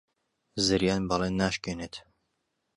زریان بەڵێن ناشکێنێت.